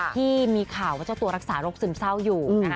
ที่มีข่าวว่าจะตัวรักษารกซึมเศร้าอยู่